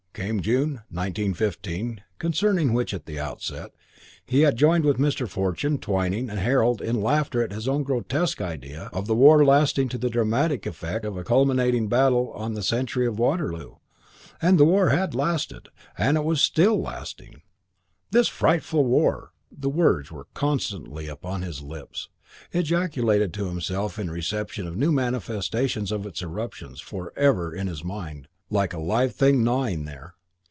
Came June, 1915, concerning which, at the outset, he had joined with Mr. Fortune, Twyning and Harold in laughter at his own grotesque idea of the war lasting to the dramatic effect of a culminating battle on the centenary of Waterloo, and the war had lasted, and was still lasting. "This frightful war!" The words were constantly upon his lips, ejaculated to himself in reception of new manifestations of its eruptions; forever in his mind, like a live thing gnawing there.